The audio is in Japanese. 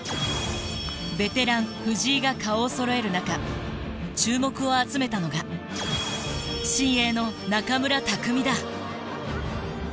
ベテラン藤井が顔をそろえる中注目を集めたのが新鋭の中村拓海だ。